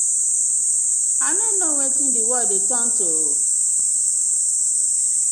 I no kno wetin di world dey turn to ooo.